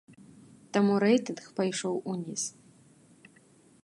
Таму рэйтынг пайшоў уніз.